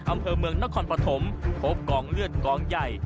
อำเภอเมืองนครปฐมพบกองเลือดกองใหญ่